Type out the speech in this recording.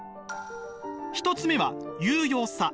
１つ目は有用さ。